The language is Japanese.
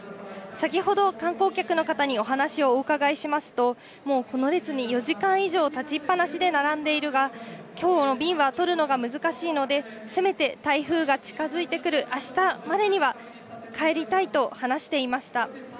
先ほど、観光客の方にお話をお伺いしますと、もう、この列に４時間以上、立ちっ放しで並んでいるが、きょうの便は取るのが難しいので、せめて台風が近づいてくるあしたまでには帰りたいと話していました。